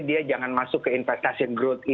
dia jangan masuk ke investasi growth e